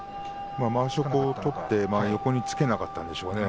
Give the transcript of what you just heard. まわしを取って横につけなかったんでしょうね。